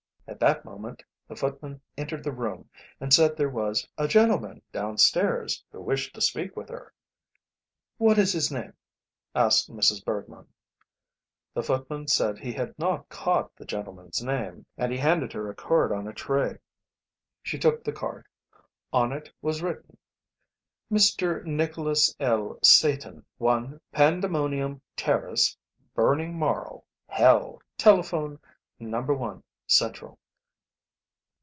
At that moment the footman entered the room and said there was a gentleman downstairs who wished to speak with her. "What is his name?" asked Mrs. Bergmann. The footman said he had not caught the gentleman's name, and he handed her a card on a tray. She took the card. On it was written: MR. NICHOLAS L. SATAN, I, Pandemonium Terrace, BURNING MARLE, HELL. Telephone, No. I Central.